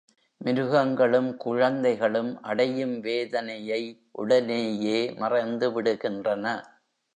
மிருகங்களும் குழந்தைகளும் அடையும் வேதனையை உடனேயே மறந்துவிடுகின்றன.